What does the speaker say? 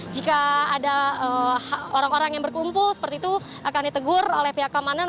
jika ada orang orang yang berkumpul seperti itu akan ditegur oleh pihak keamanan